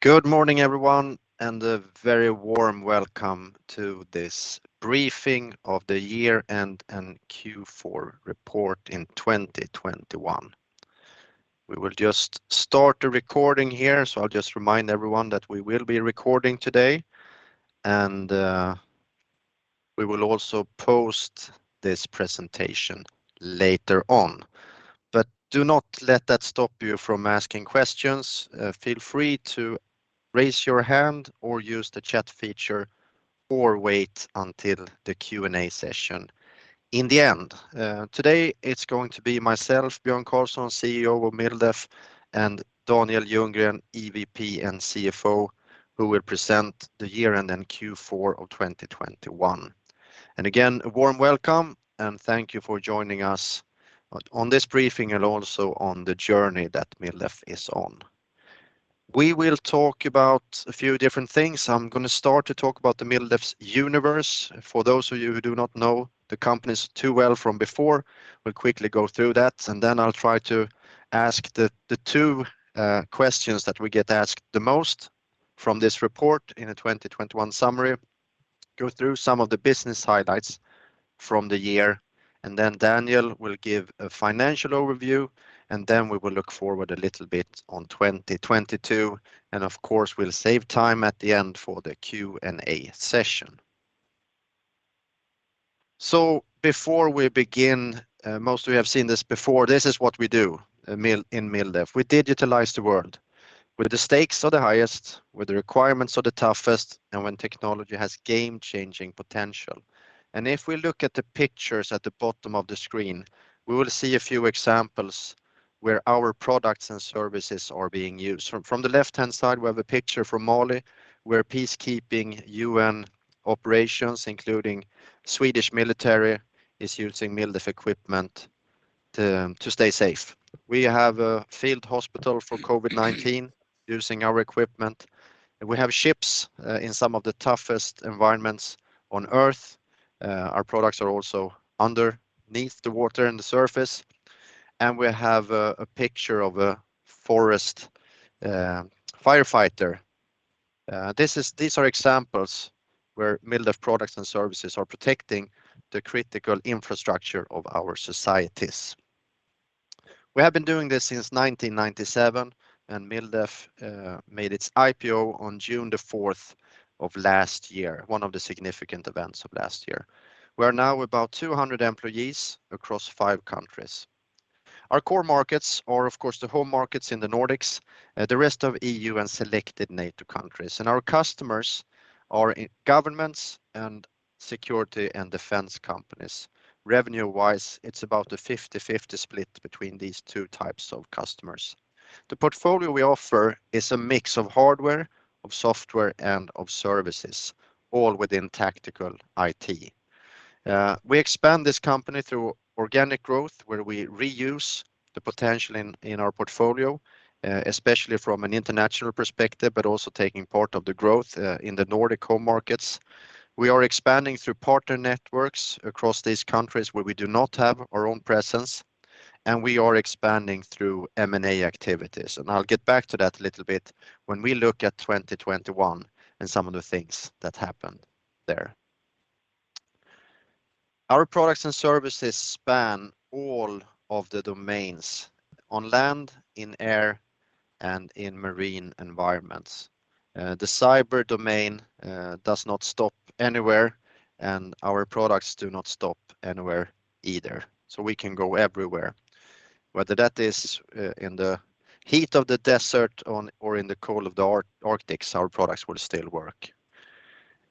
Good morning everyone, and a very warm welcome to this briefing of the year-end and Q4 report in 2021. We will just start the recording here, so I'll just remind everyone that we will be recording today, and we will also post this presentation later on. Do not let that stop you from asking questions. Feel free to raise your hand or use the chat feature or wait until the Q&A session in the end. Today it's going to be myself, Björn Karlsson, CEO of MilDef, and Daniel Ljunggren, EVP and CFO, who will present the year-end and Q4 of 2021. Again, a very warm welcome and thank you for joining us on this briefing and also on the journey that MilDef is on. We will talk about a few different things. I'm gonna start to talk about the MilDef's universe. For those of you who do not know the companies too well from before, we'll quickly go through that and then I'll try to answer the two questions that we get asked the most from this report in the 2021 summary, go through some of the business highlights from the year, and then Daniel will give a financial overview, and then we will look forward a little bit on 2022, and of course we'll save time at the end for the Q&A session. Before we begin, most of you have seen this before, this is what we do, MilDef. We digitalize the world where the stakes are the highest, where the requirements are the toughest, and when technology has game-changing potential. If we look at the pictures at the bottom of the screen, we will see a few examples where our products and services are being used. From the left-hand side, we have a picture from Mali, where peacekeeping UN operations, including Swedish military, is using MilDef equipment to stay safe. We have a field hospital for COVID-19 using our equipment. We have ships in some of the toughest environments on Earth. Our products are also underneath the water and the surface, and we have a picture of a forest firefighter. These are examples where MilDef products and services are protecting the critical infrastructure of our societies. We have been doing this since 1997, and MilDef made its IPO on June the 4th of last year, one of the significant events of last year. We are now about 200 employees across five countries. Our core markets are of course the home markets in the Nordics, the rest of EU and selected NATO countries. Our customers are governments and security and defense companies. Revenue-wise, it's about a 50/50 split between these two types of customers. The portfolio we offer is a mix of hardware, of software, and of services, all within tactical IT. We expand this company through organic growth where we reuse the potential in our portfolio, especially from an international perspective, but also taking part of the growth in the Nordic home markets. We are expanding through partner networks across these countries where we do not have our own presence, and we are expanding through M&A activities, and I'll get back to that a little bit when we look at 2021 and some of the things that happened there. Our products and services span all of the domains on land, in air, and in marine environments. The cyber domain does not stop anywhere, and our products do not stop anywhere either, so we can go everywhere. Whether that is in the heat of the desert or in the cold of the Arctic, our products will still work.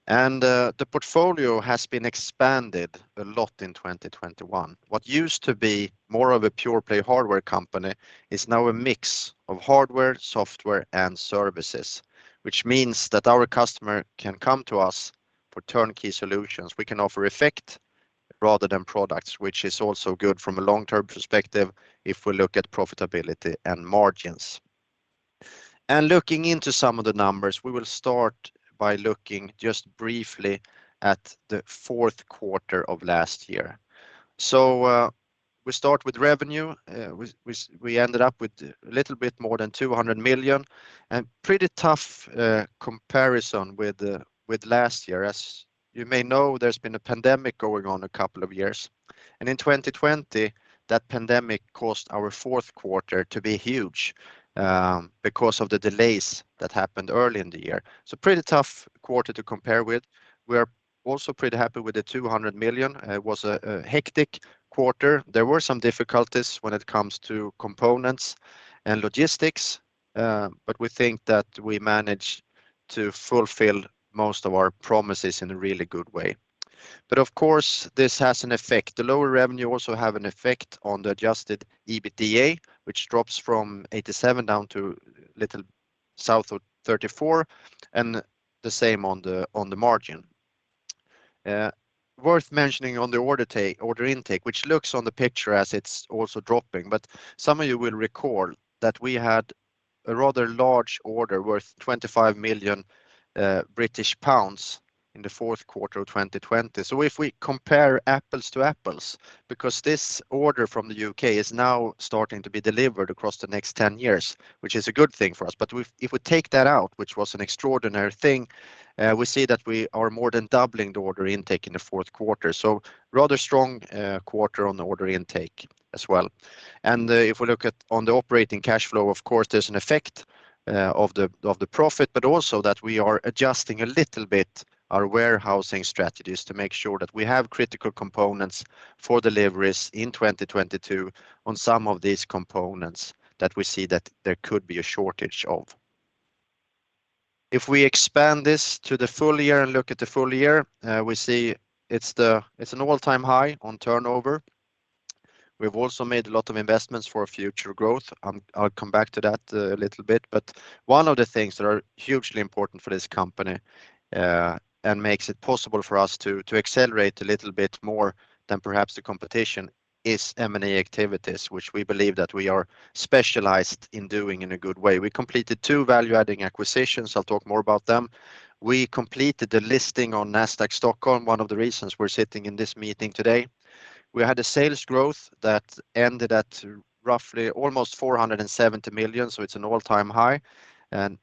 The portfolio has been expanded a lot in 2021. What used to be more of a pure-play hardware company is now a mix of hardware, software, and services, which means that our customer can come to us for turnkey solutions. We can offer effect rather than products, which is also good from a long-term perspective if we look at profitability and margins. Looking into some of the numbers, we will start by looking just briefly at the fourth quarter of last year. We start with revenue. We ended up with a little bit more than 200 million, and pretty tough comparison with last year. As you may know, there's been a pandemic going on a couple of years, and in 2020 that pandemic caused our fourth quarter to be huge, because of the delays that happened early in the year. Pretty tough quarter to compare with. We are pretty happy with the 200 million. It was a hectic quarter. There were some difficulties when it comes to components and logistics, but we think that we managed to fulfill most of our promises in a really good way. Of course, this has an effect. The lower revenue also have an effect on the adjusted EBITDA, which drops from 87 million down to little south of 34 million, and the same on the margin. Worth mentioning on the order intake, which looks on the picture as it's also dropping, but some of you will recall that we had a rather large order worth 25 million British pounds in the fourth quarter of 2020. If we compare apples to apples, because this order from the U.K. is now starting to be delivered across the next 10 years, which is a good thing for us. If we take that out, which was an extraordinary thing, we see that we are more than doubling the order intake in the fourth quarter. Rather strong quarter on the order intake as well. If we look at the operating cash flow, of course, there's an effect of the profit, but also that we are adjusting a little bit our warehousing strategies to make sure that we have critical components for deliveries in 2022 on some of these components that we see that there could be a shortage of. If we expand this to the full year and look at the full year, we see it's an all-time high on turnover. We've also made a lot of investments for future growth. I'll come back to that a little bit. One of the things that are hugely important for this company and makes it possible for us to accelerate a little bit more than perhaps the competition is M&A activities, which we believe that we are specialized in doing in a good way. We completed two value-adding acquisitions. I'll talk more about them. We completed the listing on Nasdaq Stockholm, one of the reasons we're sitting in this meeting today. We had a sales growth that ended at roughly almost 470 million, so it's an all-time high and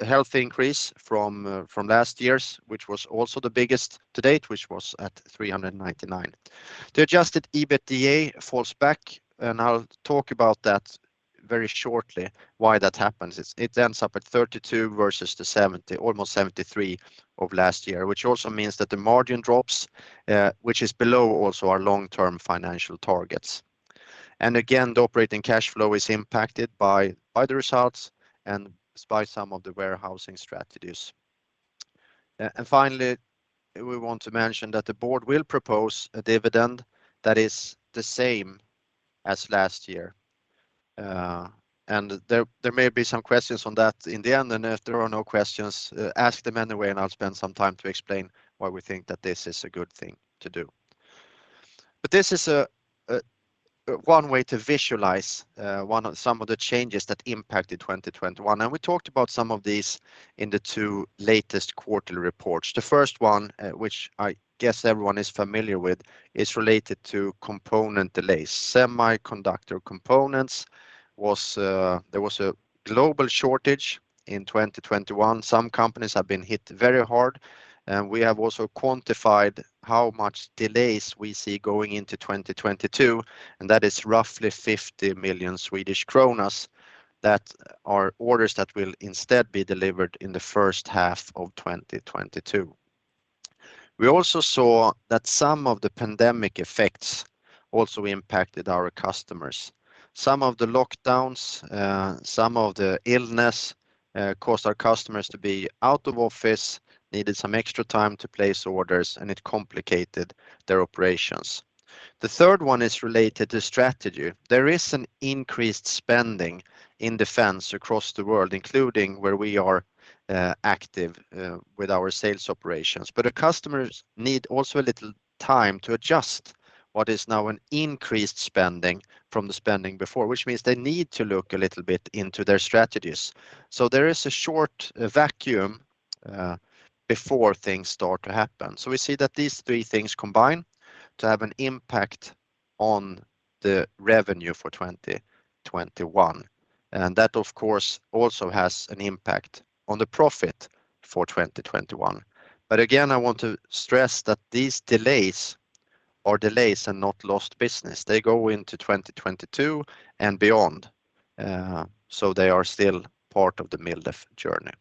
a healthy increase from last year's, which was also the biggest to date, which was at 399 million. The adjusted EBITDA falls back, and I'll talk about that very shortly, why that happens. It ends up at 32 million versus almost 73 million of last year, which also means that the margin drops, which is below also our long-term financial targets. The operating cash flow is impacted by the results and by some of the warehousing strategies. Finally, we want to mention that the board will propose a dividend that is the same as last year. There may be some questions on that in the end, and if there are no questions, ask them anyway, and I'll spend some time to explain why we think that this is a good thing to do. This is one way to visualize some of the changes that impacted 2021. We talked about some of these in the two latest quarterly reports. The first one, which I guess everyone is familiar with, is related to component delays. Semiconductor components, there was a global shortage in 2021. Some companies have been hit very hard, and we have also quantified how much delays we see going into 2022, and that is roughly 50 million Swedish kronor that are orders that will instead be delivered in the first half of 2022. We also saw that some of the pandemic effects also impacted our customers. Some of the lockdowns, some of the illness, caused our customers to be out of office, needed some extra time to place orders, and it complicated their operations. The third one is related to strategy. There is an increased spending in defense across the world, including where we are, active, with our sales operations. Our customers need also a little time to adjust what is now an increased spending from the spending before, which means they need to look a little bit into their strategies. There is a short vacuum, before things start to happen. We see that these three things combine to have an impact on the revenue for 2021. That of course, also has an impact on the profit for 2021. I want to stress that these delays are delays and not lost business. They go into 2022 and beyond, so they are still part of the MilDef journey.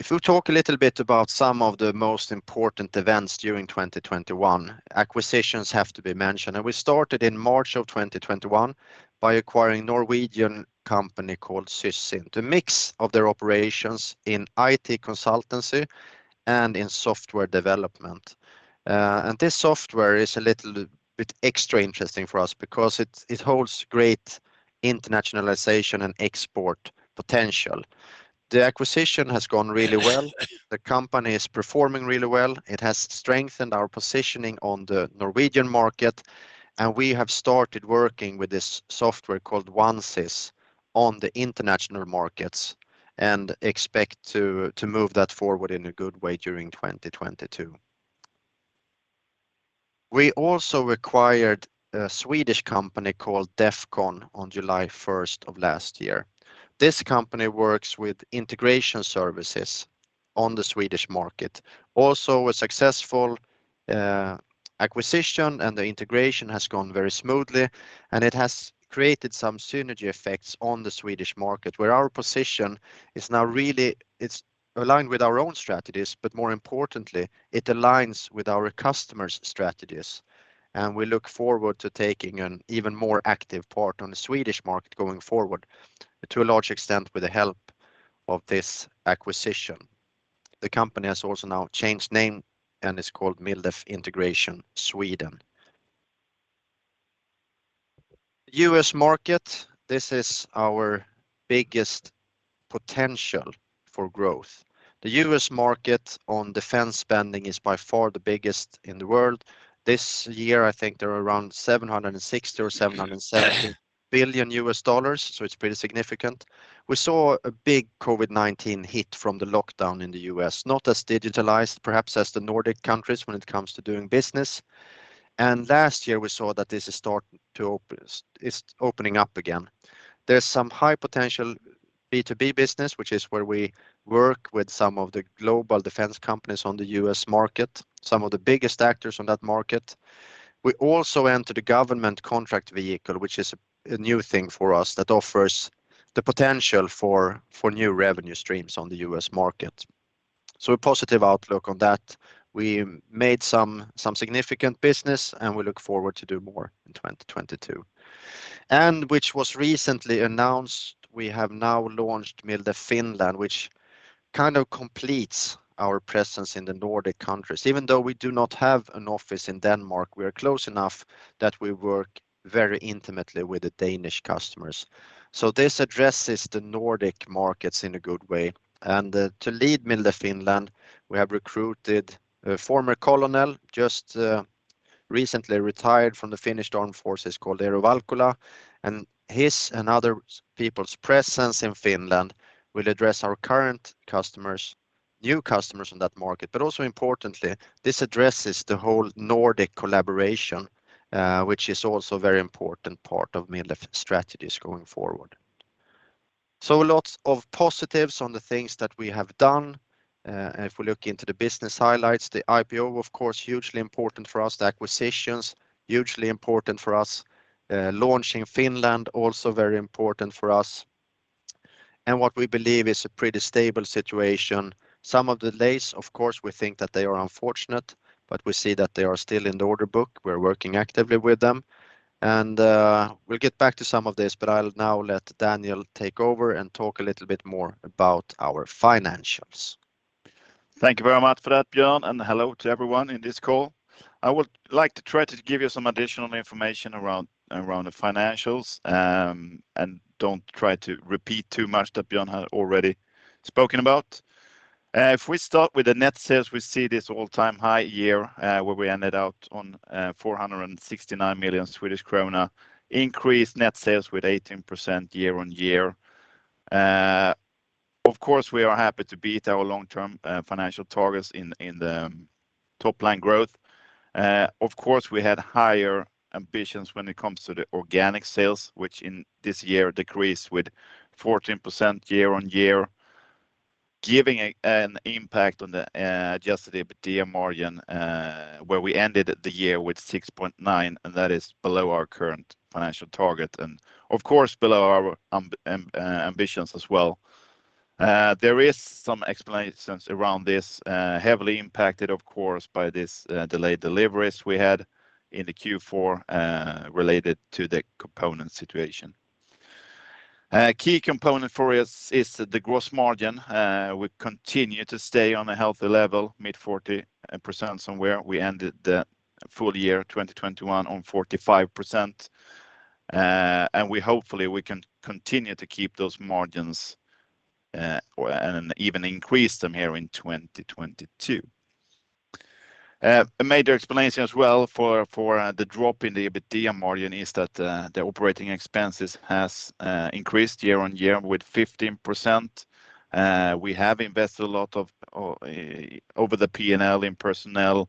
If we talk a little bit about some of the most important events during 2021, acquisitions have to be mentioned. We started in March 2021 by acquiring Norwegian company called Sysint, a mix of their operations in IT consultancy and in software development. This software is a little bit extra interesting for us because it holds great internationalization and export potential. The acquisition has gone really well. The company is performing really well. It has strengthened our positioning on the Norwegian market, and we have started working with this software called OneCIS on the international markets and expect to move that forward in a good way during 2022. We also acquired a Swedish company called Defcon on July 1 of last year. This company works with integration services on the Swedish market. Also a successful acquisition, and the integration has gone very smoothly, and it has created some synergy effects on the Swedish market, where our position is now really it's aligned with our own strategies, but more importantly, it aligns with our customers' strategies. We look forward to taking an even more active part on the Swedish market going forward, to a large extent with the help of this acquisition. The company has also now changed name, and it's called MilDef Integration Sweden. U.S. market, this is our biggest potential for growth. The U.S. market on defense spending is by far the biggest in the world. This year, I think there are around $760 billion-$770 billion, so it's pretty significant. We saw a big COVID-19 hit from the lockdown in the U.S., not as digitalized perhaps as the Nordic countries when it comes to doing business, and last year we saw that it's opening up again. There's some high potential B2B business, which is where we work with some of the global defense companies on the U.S. market, some of the biggest actors on that market. We also enter the government contract vehicle, which is a new thing for us that offers the potential for new revenue streams on the U.S. market. A positive outlook on that. We made some significant business, and we look forward to do more in 2022. Which was recently announced, we have now launched MilDef Finland, which kind of completes our presence in the Nordic countries. Even though we do not have an office in Denmark, we are close enough that we work very intimately with the Danish customers. This addresses the Nordic markets in a good way. To lead MilDef Finland, we have recruited a former colonel just recently retired from the Finnish Armed Forces called Eero Valkola, and his and other people's presence in Finland will address our current customers, new customers in that market. Also importantly, this addresses the whole Nordic collaboration, which is also very important part of MilDef strategies going forward. Lots of positives on the things that we have done. If we look into the business highlights, the IPO of course, hugely important for us. The acquisitions, hugely important for us. Launching Finland, also very important for us. What we believe is a pretty stable situation. Some of the delays, of course, we think that they are unfortunate, but we see that they are still in the order book. We're working actively with them. We'll get back to some of this, but I'll now let Daniel take over and talk a little bit more about our financials. Thank you very much for that, Björn, and hello to everyone in this call. I would like to try to give you some additional information around the financials, and don't try to repeat too much that Björn had already spoken about. If we start with the net sales, we see this all-time high year, where we ended up on 469 million Swedish krona, increased net sales with 18% year-on-year. Of course, we are happy to beat our long-term financial targets in the top line growth. Of course, we had higher ambitions when it comes to the organic sales, which in this year decreased with 14% year-on-year, giving an impact on the adjusted EBITDA margin, where we ended the year with 6.9%, and that is below our current financial target and of course below our ambitions as well. There is some explanations around this, heavily impacted of course by this delayed deliveries we had in Q4, related to the component situation. A key component for us is the gross margin. We continue to stay on a healthy level, mid-40% somewhere. We ended the full year of 2021 on 45%, and hopefully we can continue to keep those margins, or and even increase them here in 2022. A major explanation as well for the drop in the EBITDA margin is that the operating expenses has increased year-on-year with 15%. We have invested a lot over the P&L in personnel,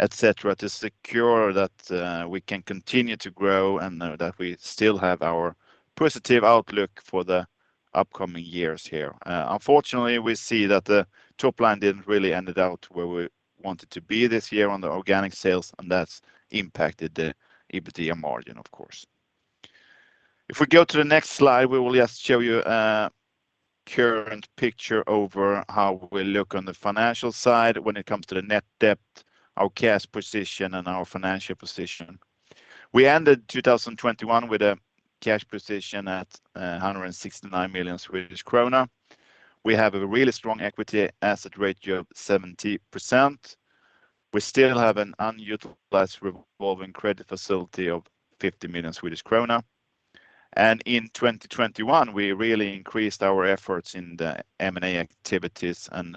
et cetera, to secure that we can continue to grow and that we still have our positive outlook for the upcoming years here. Unfortunately, we see that the top line didn't really end up where we wanted to be this year on the organic sales, and that's impacted the EBITDA margin, of course. If we go to the next slide, we will just show you a current picture over how we look on the financial side when it comes to the net debt, our cash position, and our financial position. We ended 2021 with a cash position at 169 million Swedish krona. We have a really strong equity ratio of 70%. We still have an unutilized revolving credit facility of SEK 50 million. In 2021, we really increased our efforts in the M&A activities, and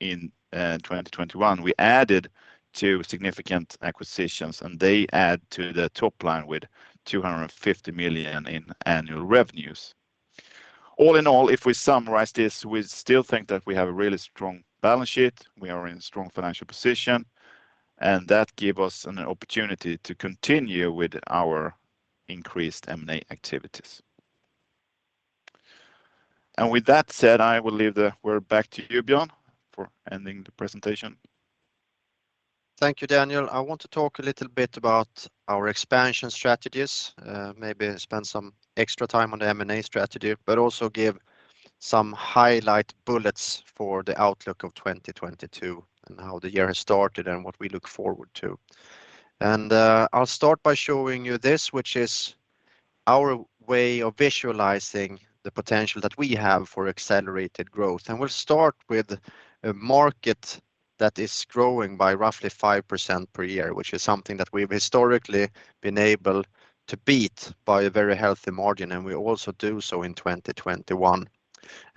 in 2021, we added two significant acquisitions, and they add to the top line with 250 million in annual revenues. All in all, if we summarize this, we still think that we have a really strong balance sheet. We are in strong financial position, and that give us an opportunity to continue with our increased M&A activities. With that said, I will leave the word back to you, Björn, for ending the presentation. Thank you, Daniel. I want to talk a little bit about our expansion strategies, maybe spend some extra time on the M&A strategy, but also give some highlight bullets for the outlook of 2022 and how the year has started and what we look forward to. I'll start by showing you this, which is our way of visualizing the potential that we have for accelerated growth. We'll start with a market that is growing by roughly 5% per year, which is something that we've historically been able to beat by a very healthy margin, and we also do so in 2021.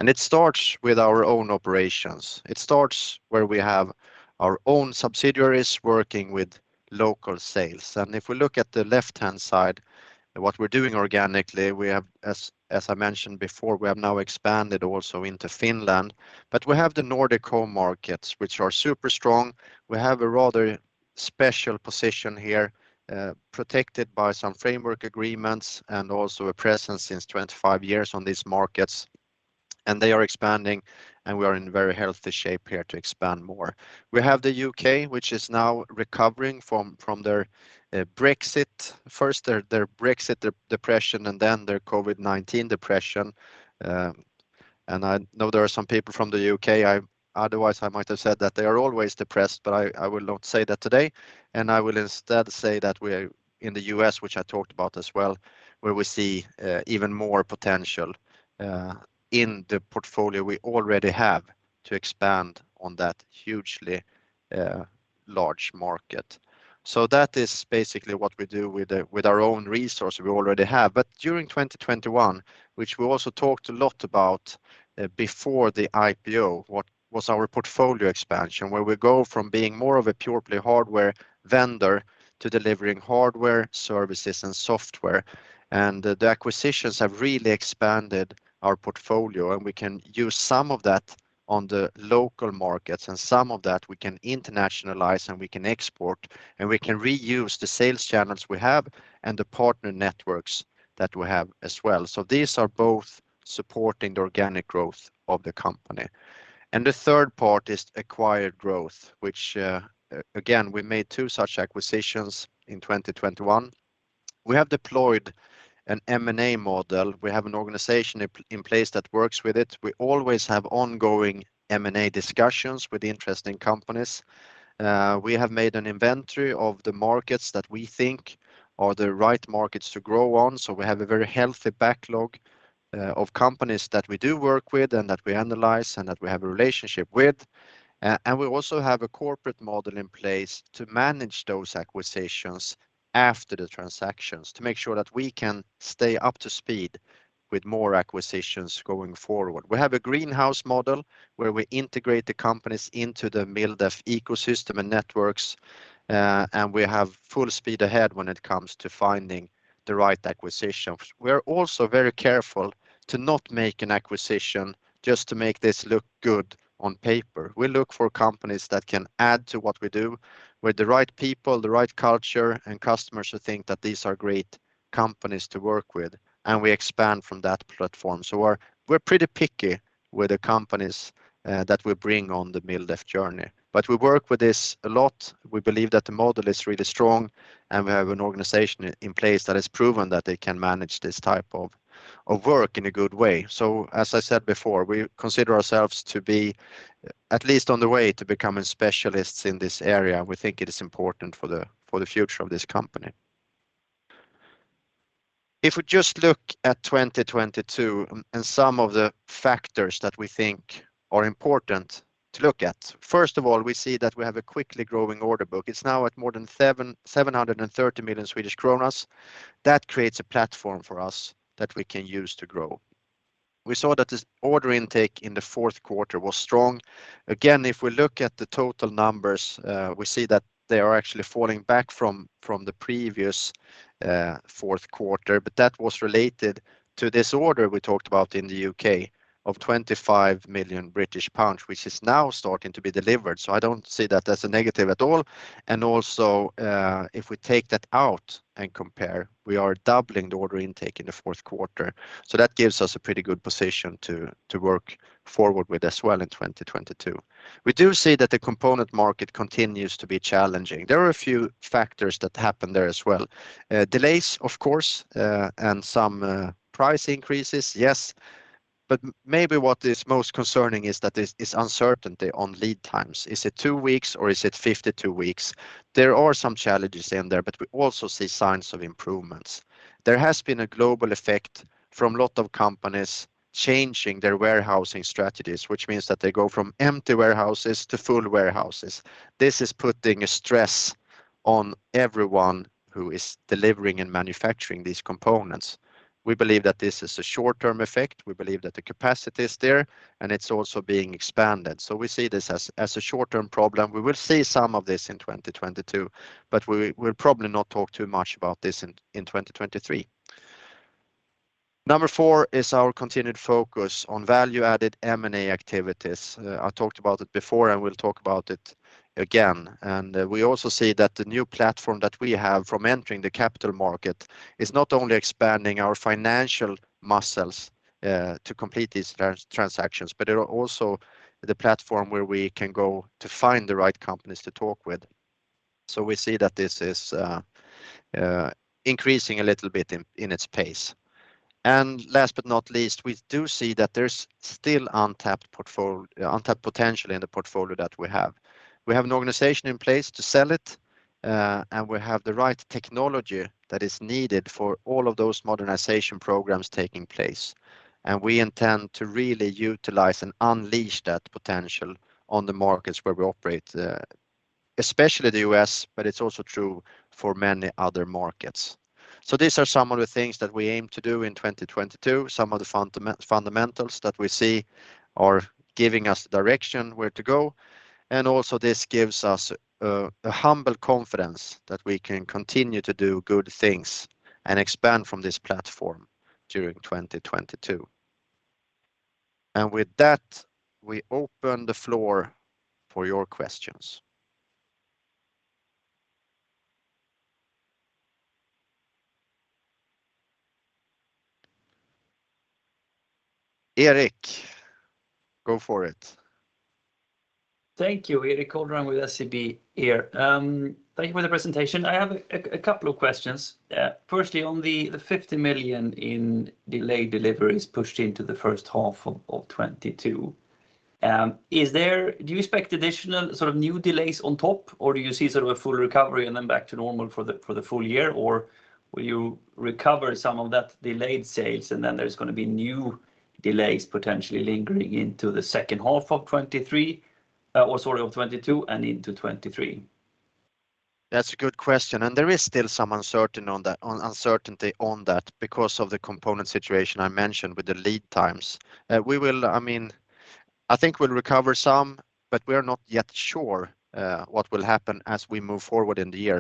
It starts with our own operations. It starts where we have our own subsidiaries working with local sales. If we look at the left-hand side, what we're doing organically, we have, as I mentioned before, we have now expanded also into Finland. We have the Nordic home markets, which are super strong. We have a rather special position here, protected by some framework agreements and also a presence since 25 years on these markets. They are expanding, and we are in very healthy shape here to expand more. We have the U.K., which is now recovering from their Brexit, first their Brexit depression and then their COVID-19 depression. I know there are some people from the U.K. Otherwise, I might have said that they are always depressed, but I will not say that today. I will instead say that we are in the U.S., which I talked about as well, where we see even more potential in the portfolio we already have to expand on that hugely large market. That is basically what we do with our own resource we already have. During 2021, which we also talked a lot about before the IPO, what was our portfolio expansion, where we go from being more of a pure play hardware vendor to delivering hardware services and software. The acquisitions have really expanded our portfolio. We can use some of that on the local markets and some of that we can internationalize and we can export and we can reuse the sales channels we have and the partner networks that we have as well. These are both supporting the organic growth of the company. The third part is acquired growth, which again, we made two such acquisitions in 2021. We have deployed an M&A model. We have an organization in place that works with it. We always have ongoing M&A discussions with interesting companies. We have made an inventory of the markets that we think are the right markets to grow on. So we have a very healthy backlog of companies that we do work with and that we analyze and that we have a relationship with. We also have a corporate model in place to manage those acquisitions after the transactions to make sure that we can stay up to speed with more acquisitions going forward. We have a greenhouse model where we integrate the companies into the MilDef ecosystem and networks. We have full speed ahead when it comes to finding the right acquisitions. We are also very careful to not make an acquisition just to make this look good on paper. We look for companies that can add to what we do with the right people, the right culture and customers who think that these are great companies to work with. We expand from that platform. We're pretty picky with the companies that we bring on the MilDef journey. We work with this a lot. We believe that the model is really strong and we have an organization in place that has proven that they can manage this type of work in a good way. As I said before, we consider ourselves to be at least on the way to becoming specialists in this area. We think it is important for the future of this company. If we just look at 2022 and some of the factors that we think are important to look at. First of all, we see that we have a quickly growing order book. It's now at more than 730 million Swedish kronor. That creates a platform for us that we can use to grow. We saw that this order intake in the fourth quarter was strong. Again, if we look at the total numbers, we see that they are actually falling back from the previous fourth quarter. That was related to this order we talked about in the U.K. of 25 million British pounds, which is now starting to be delivered. I don't see that as a negative at all. If we take that out and compare, we are doubling the order intake in the fourth quarter. That gives us a pretty good position to work forward with as well in 2022. We do see that the component market continues to be challenging. There are a few factors that happen there as well. Delays, of course, and some price increases. Yes. Maybe what is most concerning is that it's uncertainty on lead times. Is it two weeks or is it 52 weeks? There are some challenges in there, but we also see signs of improvements. There has been a global effect from a lot of companies changing their warehousing strategies, which means that they go from empty warehouses to full warehouses. This is putting a stress on everyone who is delivering and manufacturing these components. We believe that this is a short-term effect. We believe that the capacity is there and it's also being expanded. We see this as a short-term problem. We will see some of this in 2022, but we will probably not talk too much about this in 2023. Number four is our continued focus on value-added M&A activities. I talked about it before and we'll talk about it again. We also see that the new platform that we have from entering the capital market is not only expanding our financial muscles to complete these transactions, but also the platform where we can go to find the right companies to talk with. We see that this is increasing a little bit in its pace. Last but not least, we do see that there's still untapped potential in the portfolio that we have. We have an organization in place to sell it and we have the right technology that is needed for all of those modernization programs taking place. We intend to really utilize and unleash that potential on the markets where we operate. Especially the U.S., but it's also true for many other markets. These are some of the things that we aim to do in 2022, some of the fundamentals that we see are giving us direction where to go, and also this gives us a humble confidence that we can continue to do good things and expand from this platform during 2022. With that, we open the floor for your questions. Erik, go for it. Thank you, Erik Golrang with SEB here. Thank you for the presentation. I have a couple of questions. Firstly, on the 50 million in delayed deliveries pushed into the first half of 2022, do you expect additional sort of new delays on top, or do you see sort of a full recovery and then back to normal for the full year? Or will you recover some of that delayed sales, and then there's gonna be new delays potentially lingering into the second half of 2022 and into 2023? That's a good question, and there is still some uncertainty on that because of the component situation I mentioned with the lead times. I mean, I think we'll recover some, but we're not yet sure what will happen as we move forward in the year.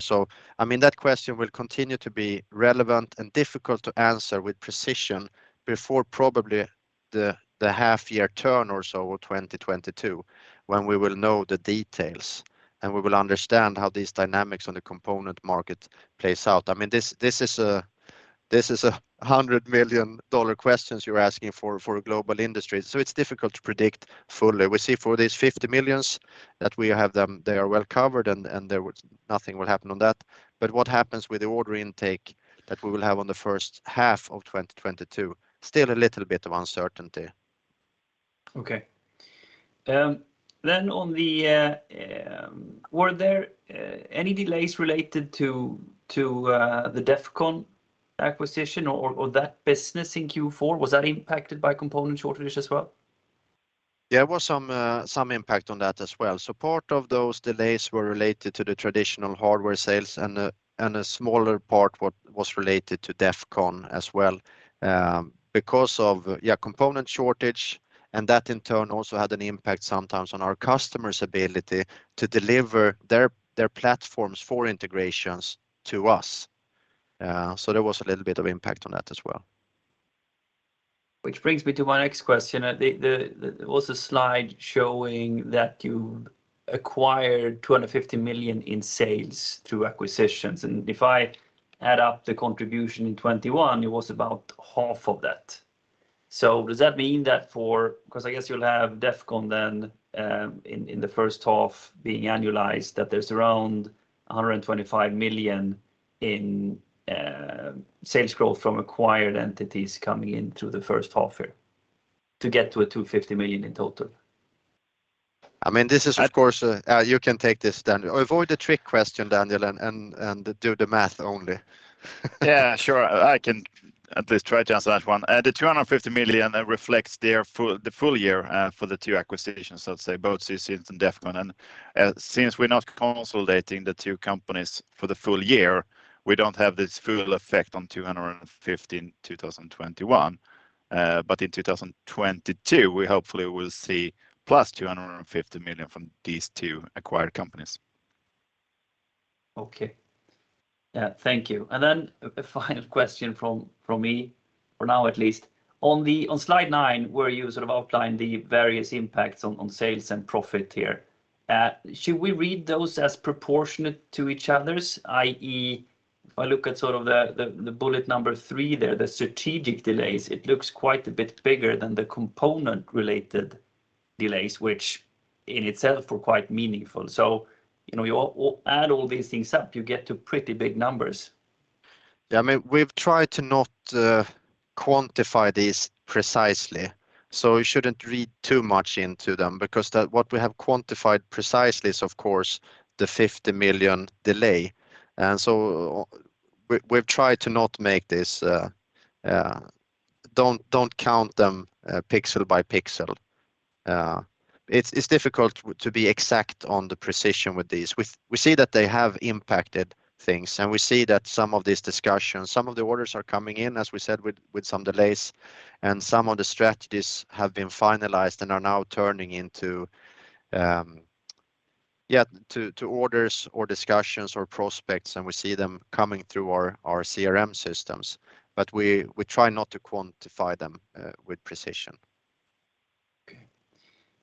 I mean, that question will continue to be relevant and difficult to answer with precision before probably the half-year turn or so of 2022 when we will know the details and we will understand how these dynamics on the component market plays out. I mean, this is a $100 million question you're asking for a global industry, so it's difficult to predict fully. We see for these 50 million that we have them, they are well covered and there is nothing that will happen on that. What happens with the order intake that we will have on the first half of 2022, still a little bit of uncertainty. Were there any delays related to the Defcon acquisition or that business in Q4? Was that impacted by component shortage as well? There was some impact on that as well. Part of those delays were related to the traditional hardware sales and a smaller part was related to Defcon as well, because of component shortage, and that in turn also had an impact sometimes on our customers' ability to deliver their platforms for integrations to us. There was a little bit of impact on that as well. Which brings me to my next question. There was a slide showing that you acquired 250 million in sales through acquisitions, and if I add up the contribution in 2021, it was about half of that. Does that mean that I guess you'll have Defcon then, in the first half being annualized, that there's around 125 million in sales growth from acquired entities coming into the first half year to get to a 250 million in total. I mean, this is of course. You can take this, Daniel. Avoid the trick question, Daniel, and do the math only. Yeah, sure. I can at least try to answer that one. The 250 million reflects the full year for the two acquisitions, let's say, both Sysint and Defcon. Since we're not consolidating the two companies for the full year, we don't have this full effect on 250 million in 2021. In 2022, we hopefully will see plus 250 million from these two acquired companies. Okay. Yeah. Thank you. Then a final question from me, for now at least. On the slide nine where you sort of outline the various impacts on sales and profit here, should we read those as proportionate to each other, i.e., if I look at sort of the bullet number three there, the strategic delays, it looks quite a bit bigger than the component related delays, which in itself were quite meaningful. You know, you all add all these things up, you get to pretty big numbers. Yeah, I mean, we've tried to not quantify this precisely, so you shouldn't read too much into them because what we have quantified precisely is of course the 50 million delay. We've tried to not make this. Don't count them pixel by pixel. It's difficult to be exact on the precision with these. We see that they have impacted things, and we see that some of these discussions, some of the orders are coming in, as we said, with some delays and some of the strategies have been finalized and are now turning into orders or discussions or prospects, and we see them coming through our CRM systems. We try not to quantify them with precision.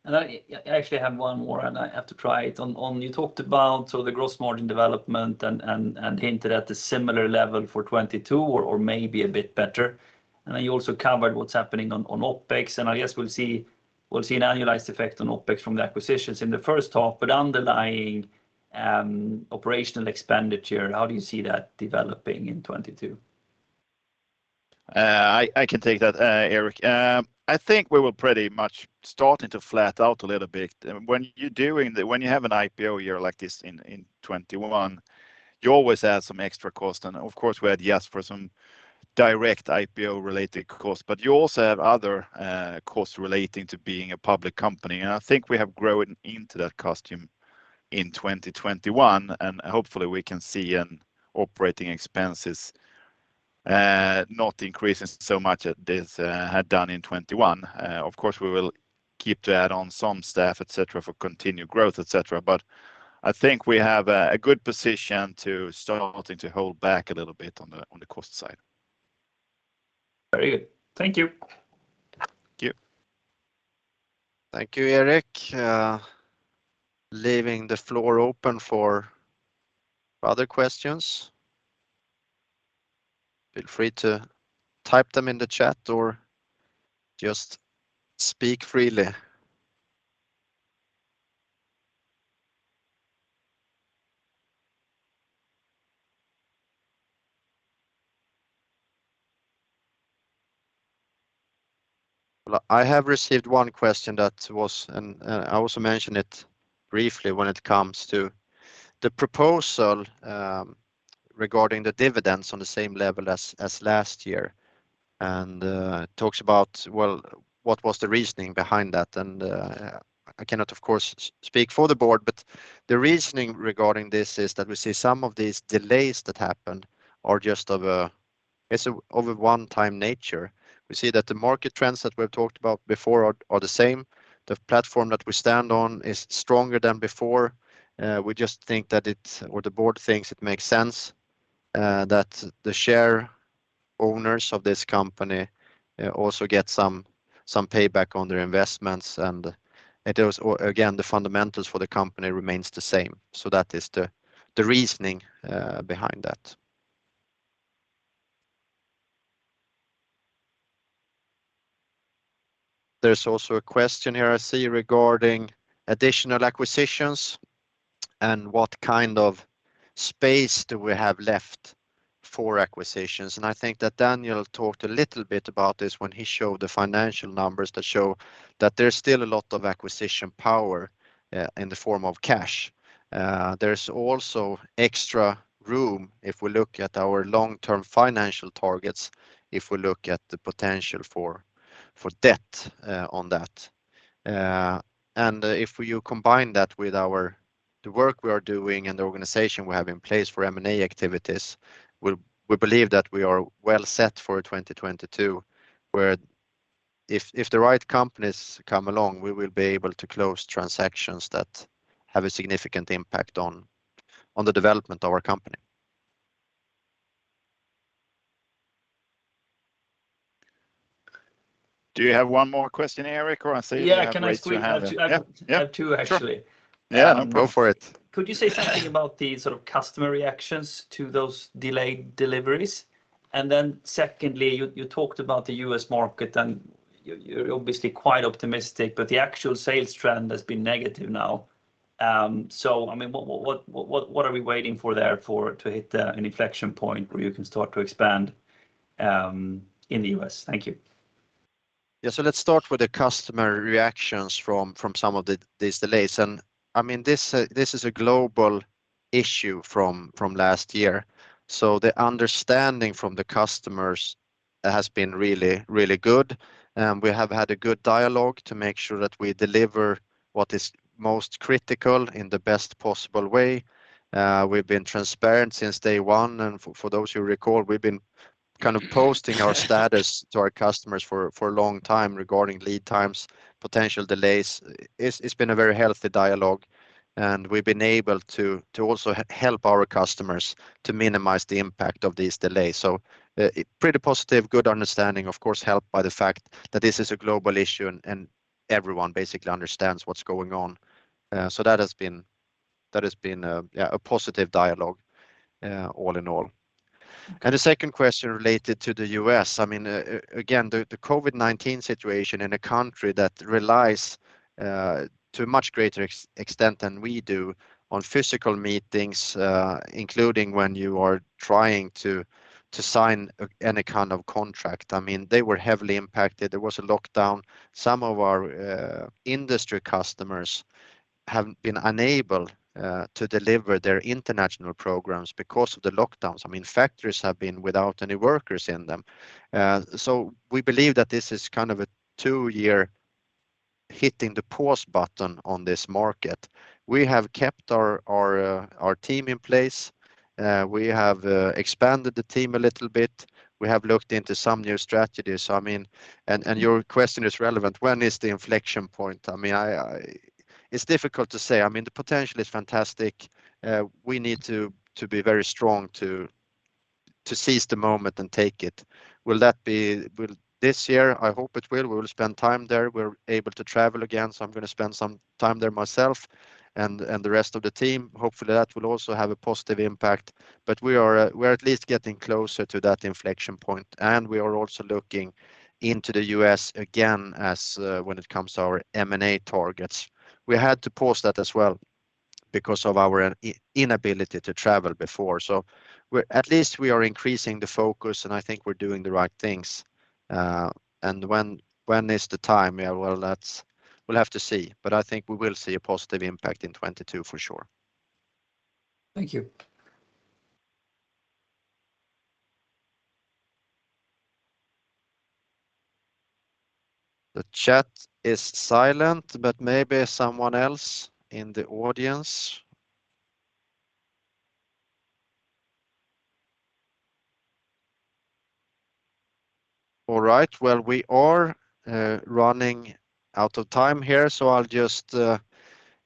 Okay. I actually have one more, and I have to try it. On you talked about, so the gross margin development and hinted at the similar level for 2022 or maybe a bit better, and then you also covered what's happening on OpEx, and I guess we'll see an annualized effect on OpEx from the acquisitions in the first half. Underlying operational expenditure, how do you see that developing in 2022? I can take that, Erik. I think we will pretty much starting to flatten out a little bit. When you have an IPO year like this in 2021, you always add some extra cost, and of course we had yes for some direct IPO related cost. You also have other costs relating to being a public company, and I think we have grown into that cost in 2021, and hopefully we can see an operating expenses. Not increasing so much as this had done in 2021. Of course, we will keep to add on some staff, et cetera, for continued growth, et cetera. I think we have a good position to starting to hold back a little bit on the cost side. Very good. Thank you. Thank you. Thank you, Erik. Leaving the floor open for other questions. Feel free to type them in the chat or just speak freely. Well, I have received one question and I also mentioned it briefly when it comes to the proposal regarding the dividends on the same level as last year. Talks about, well, what was the reasoning behind that. I cannot, of course, speak for the board, but the reasoning regarding this is that we see some of these delays that happened are just of a one-time nature. We see that the market trends that we've talked about before are the same. The platform that we stand on is stronger than before. We just think that or the board thinks it makes sense that the share owners of this company also get some payback on their investments. It is again, the fundamentals for the company remains the same. That is the reasoning behind that. There's also a question here I see regarding additional acquisitions and what kind of space do we have left for acquisitions. I think that Daniel talked a little bit about this when he showed the financial numbers that show that there's still a lot of acquisition power in the form of cash. There's also extra room if we look at our long-term financial targets, if we look at the potential for debt on that. If you combine that with our the work we are doing and the organization we have in place for M&A activities, we believe that we are well set for 2022, where if the right companies come along, we will be able to close transactions that have a significant impact on the development of our company. Do you have one more question, Erik? Or I see that you have raised your hand. Yeah, can I squeeze. Yeah. Yeah. I have two, actually. Sure. Yeah. No, go for it. Could you say something about the sort of customer reactions to those delayed deliveries? Secondly, you talked about the U.S. market, and you're obviously quite optimistic, but the actual sales trend has been negative now. I mean, what are we waiting for there for it to hit an inflection point where you can start to expand in the U.S.? Thank you. Yeah. Let's start with the customer reactions from some of these delays. I mean, this is a global issue from last year. The understanding from the customers has been really good. We have had a good dialogue to make sure that we deliver what is most critical in the best possible way. We've been transparent since day one. For those who recall, we've been kind of posting our status to our customers for a long time regarding lead times, potential delays. It's been a very healthy dialogue, and we've been able to also help our customers to minimize the impact of these delays. A pretty positive, good understanding, of course, helped by the fact that this is a global issue and everyone basically understands what's going on. That has been a positive dialogue all in all. The second question related to the U.S., I mean, again, the COVID-19 situation in a country that relies to a much greater extent than we do on physical meetings, including when you are trying to sign any kind of contract. I mean, they were heavily impacted. There was a lockdown. Some of our industry customers have been unable to deliver their international programs because of the lockdowns. I mean, factories have been without any workers in them. We believe that this is kind of a two-year hitting the pause button on this market. We have kept our team in place. We have expanded the team a little bit. We have looked into some new strategies. I mean, your question is relevant. When is the inflection point? I mean, it's difficult to say. I mean, the potential is fantastic. We need to be very strong to seize the moment and take it. Will that be this year? I hope it will. We will spend time there. We're able to travel again, so I'm gonna spend some time there myself and the rest of the team. Hopefully, that will also have a positive impact. We're at least getting closer to that inflection point, and we are also looking into the U.S. again as, when it comes to our M&A targets. We had to pause that as well because of our inability to travel before. We're at least increasing the focus, and I think we're doing the right things. When is the time? Yeah, well, we'll have to see. I think we will see a positive impact in 2022 for sure. Thank you. The chat is silent, but maybe someone else in the audience. All right, well, we are running out of time here, so I'll just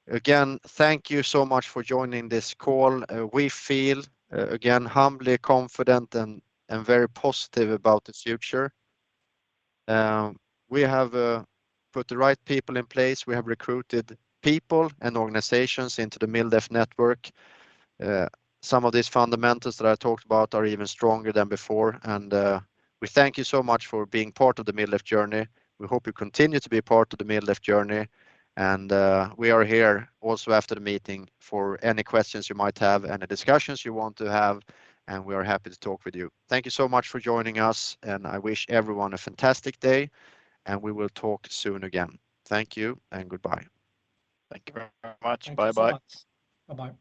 again, thank you so much for joining this call. We feel again, humbly confident and very positive about the future. We have put the right people in place. We have recruited people and organizations into the MilDef network. Some of these fundamentals that I talked about are even stronger than before. We thank you so much for being part of the MilDef journey. We hope you continue to be a part of the MilDef journey. We are here also after the meeting for any questions you might have, any discussions you want to have, and we are happy to talk with you. Thank you so much for joining us, and I wish everyone a fantastic day, and we will talk soon again. Thank you and goodbye. Thank you very, very much. Bye-bye. Thank you so much. Bye-bye.